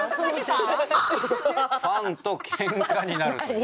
ファンとケンカになるという。